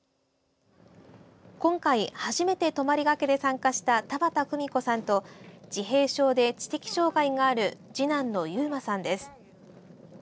今回初めて泊まりがけで参加した田端久美子さんと自閉症で知的障害がある次男の勇馬さんです。